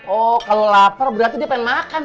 oh kalau lapar berarti dia pengen makan